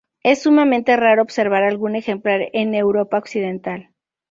Es sumamente raro observar algún ejemplar en Europa occidental.